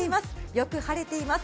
よく晴れています。